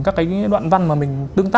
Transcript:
các cái đoạn văn mà mình đứng dậy trong đó